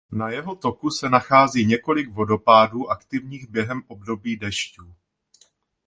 Na jeho toku se nachází několik vodopádů aktivních během období dešťů.